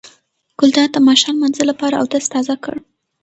ګلداد د ماښام لمانځه لپاره اودس تازه کړ.